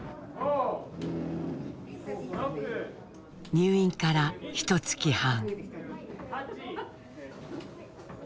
入院からひとつき半。